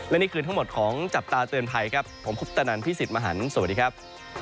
และนี่คือทั้งหมดของจับตาเตือนภัยครับผมคุปตนันพี่สิทธิ์มหันฯสวัสดีครับ